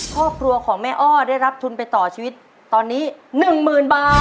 ครอบครัวของแม่อ้อได้รับทุนไปต่อชีวิตตอนนี้๑๐๐๐บาท